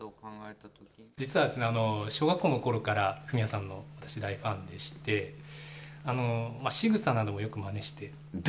実は、小学校のころからフミヤさんの大ファンでしてしぐさなども、よくまねして。